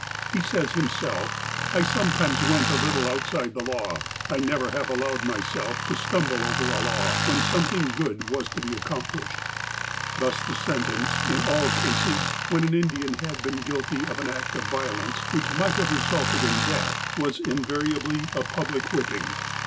He says himself :'' I sometimes went a little outside the law. I never have allowed myself to stumble over a law, when some thing good was to be accomplished." Thus the sentence, in all cases, when an Indian had been guilty of an act of violence which might have re sulted in death, was invariably a public whipping.